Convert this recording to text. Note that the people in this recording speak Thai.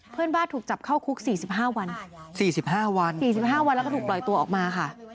เพื่อนบ้านถูกจับเข้าคุกสี่สิบห้าวันสี่สิบห้าวันสี่สิบห้าวันแล้วก็ถูกปล่อยตัวออกมาค่ะ